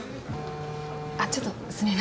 ちょっとすみません。